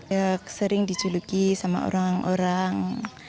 ya sering dijuluki sama orang orang